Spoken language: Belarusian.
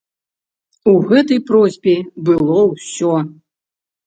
У гэтай просьбе было ўсё.